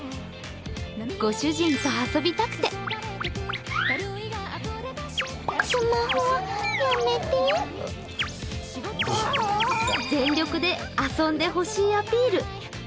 ご主人と遊びたくて全力で遊んでほしいアピール。